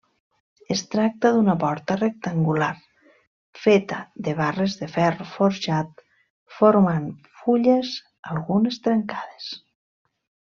Es tracta d'una porta rectangular, feta de barres de ferro forjat, formant fulles, algunes trencades.